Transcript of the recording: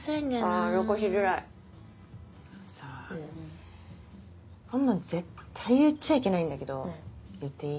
あのさこんなん絶対言っちゃいけないんだけど言っていい？